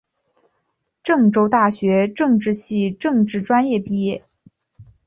郑州大学政治系政治专业毕业。